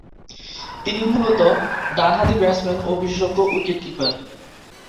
তিনি মূলতঃ ডানহাতি ব্যাটসম্যান ও বিশেষজ্ঞ উইকেট-কিপার।